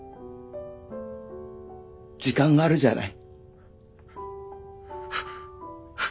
時間があるじゃない。